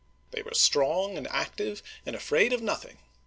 They were strong and active and afraid of nothing.